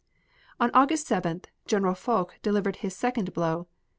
On August 7th General Foch delivered his second blow.